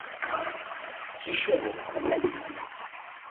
Quixelô